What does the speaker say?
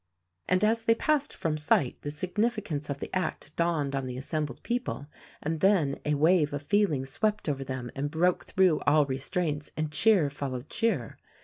And as they passed from sight the significance of the act dawned on the assembled people, and then a wave of feeling swept over them and broke through all restraints, and cheer followed cheer.